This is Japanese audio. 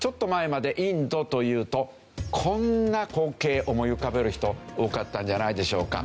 こんな光景思い浮かべる人多かったんじゃないでしょうか。